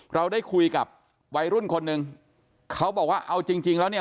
เราได้คุยกับวัยรุ่นคนหนึ่งเขาบอกว่าเอาจริงจริงแล้วเนี่ย